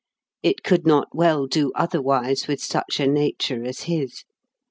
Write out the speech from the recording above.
It could not well do otherwise with such a nature as his.